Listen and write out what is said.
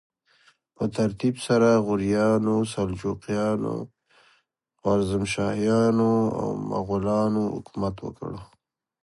په ترتیب سره غوریانو، سلجوقیانو، خوارزمشاهیانو او مغولانو حکومت وکړ.